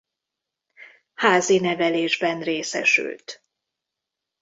Házi nevelésben részesült.